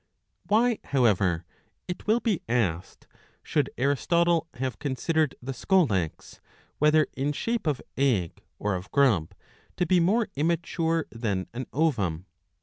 Why, however, it will be asked, should Aristotle have considered the scolex, whether in shape of egg or of grub, to be more immature than an ovum